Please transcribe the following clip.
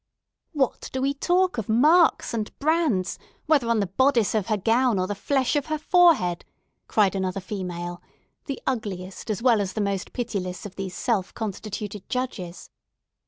"What do we talk of marks and brands, whether on the bodice of her gown or the flesh of her forehead?" cried another female, the ugliest as well as the most pitiless of these self constituted judges.